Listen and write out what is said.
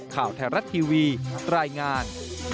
ข่าวไทยรัฐทีวีรายงาน